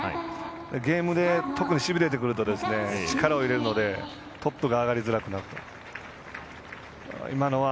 ゲームで特にしびれてくると力を入れるのでトップが上がりづらくなる。